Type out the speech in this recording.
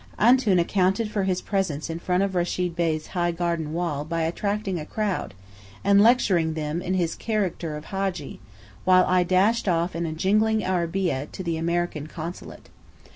"Antoun" accounted for his presence in front of Rechid Bey's high garden wall, by attracting a crowd, and lecturing them in his character of Hadji, while I dashed off in a jingling arabeah, to the American Consulate.